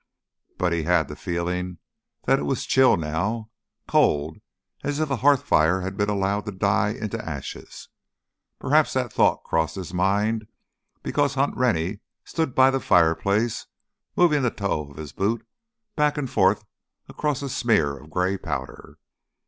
But he had the feeling that it was chill now, cold, as if a hearth fire had been allowed to die into ashes. Perhaps that thought crossed his mind because Hunt Rennie stood by the fireplace moving the toe of his boot back and forth across a smear of gray powder.